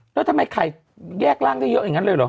แล้วทำไมไข่แยกร่างได้เยอะอย่างนั้นเลยเหรอ